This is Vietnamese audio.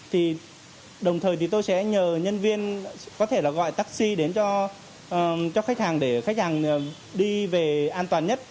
thì đồng thời thì tôi sẽ nhờ nhân viên có thể là gọi taxi đến cho khách hàng để khách hàng đi về an toàn nhất